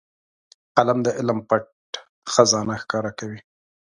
قلم د علم پټ خزانه ښکاره کوي